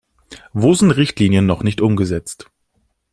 Wo sind Richtlinien noch nicht umgesetzt?